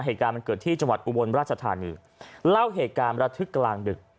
เหตุการณ์มันเกิดที่จังหวัดอุบลราชธานีเล่าเหตุการณ์ประทึกกลางดึก